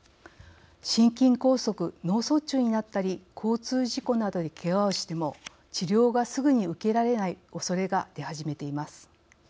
心筋梗塞・脳卒中になったり交通事故などで、けがをしても治療がすぐに受けられないおそれが出始めています。